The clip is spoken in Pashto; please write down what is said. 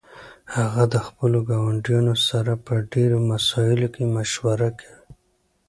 هغه د خپلو ګاونډیانو سره په ډیرو مسائلو کې مشوره کوي